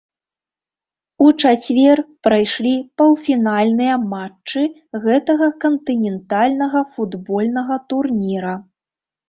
У чацвер прайшлі паўфінальныя матчы гэтага кантынентальнага футбольнага турніра.